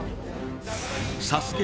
ＳＡＳＵＫＥ